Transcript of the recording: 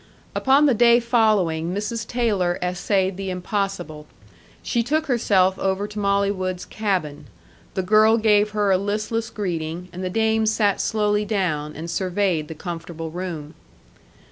Upon the day following Mrs. Taylor essayed the impossible. She took herself over to Molly Wood's cabin. The girl gave her a listless greeting, and the dame sat slowly down, and surveyed the comfortable room.